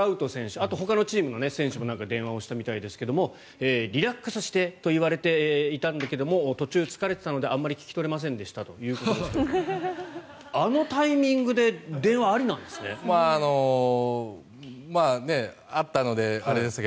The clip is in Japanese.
あと、ほかのチームの選手もなんか電話をしたみたいですがリラックスしてと言われていたんだけど途中疲れていたのであまり聞き取れませんでしたということですがあのタイミングで電話ありなんですね。